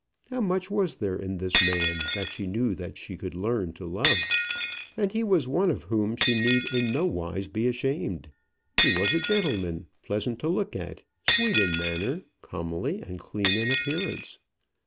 How much was there in this man that she knew that she could learn to love? And he was one of whom she need in no wise be ashamed. He was a gentleman, pleasant to look at, sweet in manner, comely and clean in appearance.